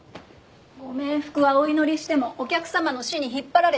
ご冥福はお祈りしてもお客様の死に引っ張られてはダメ。